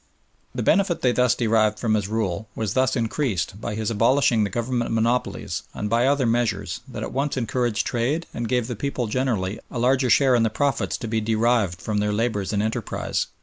The benefit they thus derived from his rule was increased by his abolishing the Government monopolies and by other measures that at once encouraged trade and gave the people generally a larger share in the profits to be derived from their labours and enterprise.